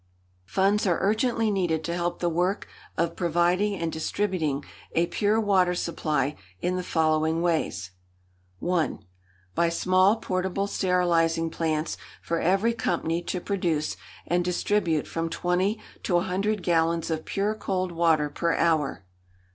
"Funds are urgently needed to help the work of providing and distributing a pure water supply in the following ways: "1. By small portable sterilising plants for every company to produce and distribute from twenty to a hundred gallons of pure cold water per hour.